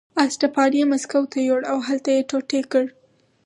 اسټپان یې مسکو ته یووړ او هلته یې ټوټې کړ.